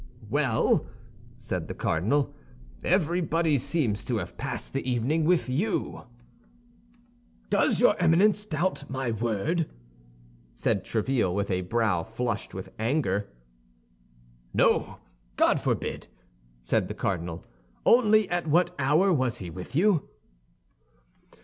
"Well," said the cardinal, "everybody seems to have passed the evening with you." "Does your Eminence doubt my word?" said Tréville, with a brow flushed with anger. "No, God forbid," said the cardinal; "only, at what hour was he with you?"